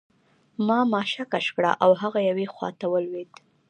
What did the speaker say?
ما ماشه کش کړه او هغه یوې خواته ولوېد